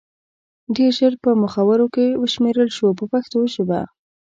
ډېر ژر په مخورو کې وشمېرل شو په پښتو ژبه.